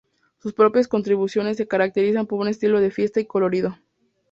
Sus propias contribuciones se caracterizan por un estilo de fiesta y colorido.